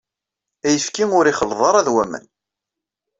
Ayefki ur ixelleḍ ara d waman.